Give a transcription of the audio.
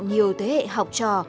nhiều thế hệ học trò